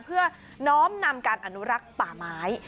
เพื่อน้อมนำการอนุรักษ์ป่าไม้